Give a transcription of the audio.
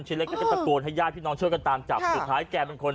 ชิ้นแล้วก็จะตะโกนให้ญาติพี่น้องเชิญกันตามจับค่ะสุดท้ายแกเป็นคน